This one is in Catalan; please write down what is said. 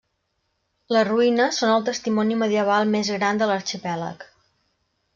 Les ruïnes són el testimoni medieval més gran de l'arxipèlag.